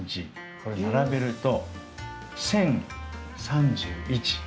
これ、並べると１０３１。